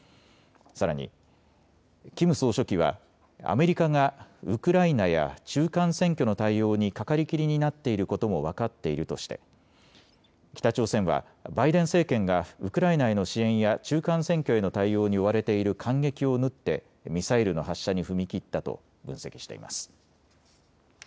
さらに、キム総書記はアメリカがウクライナや中間選挙の対応にかかりきりになっていることも分かっているとして北朝鮮はバイデン政権がウクライナへの支援や中間選挙への対応に追われている間隙を縫ってミサイルの発射に踏み切ったと分析しています。